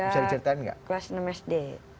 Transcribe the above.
sudah kelas enam sd